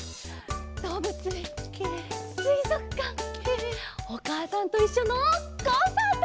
どうぶつえんすいぞくかん「おかあさんといっしょ」のコンサート！